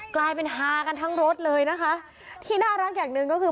กลายเป็นฮากันทั้งรถเลยนะคะที่น่ารักอย่างหนึ่งก็คือ